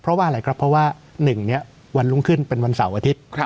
เพราะว่าอะไรครับเพราะว่า๑นี้วันรุ่งขึ้นเป็นวันเสาร์อาทิตย์